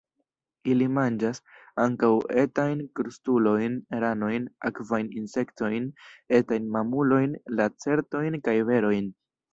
Ili manĝas ankaŭ etajn krustulojn, ranojn, akvajn insektojn, etajn mamulojn, lacertojn kaj berojn.